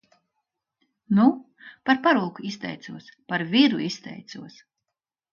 Nu? Par parūku izteicos, par viru izteicos!